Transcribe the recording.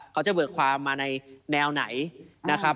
เบิกความมาในแนวไหนนะครับ